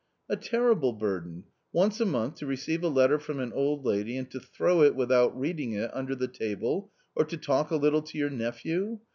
"A terrible burden; once a month to receive a letter from an old lady and to throw it — without reading it — under the table, or to talk a little to your nephew?